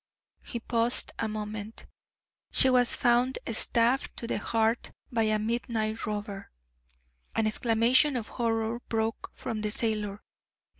He paused a moment. "She was found stabbed to the heart by a midnight robber." An exclamation of horror broke from the sailor.